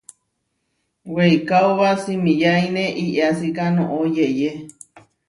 Weikáoba simiyáine iʼyásika noʼó yeʼyé.